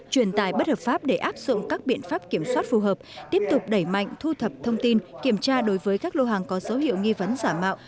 truyền tài bất hợp pháp để áp dụng các biện pháp kiểm soát phù hợp tiếp tục đẩy mạnh thu thập thông tin kiểm tra đối với các lô hàng có dấu hiệu nghi vấn xả mạo